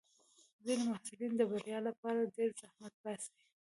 ځینې محصلین د بریا لپاره ډېر زحمت باسي.